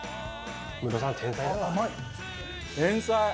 天才！